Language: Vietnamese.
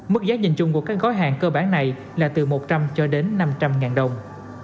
mức giá nhìn chung của các gói hàng cơ bản này là từ một trăm linh cho đến năm trăm linh ngàn đồng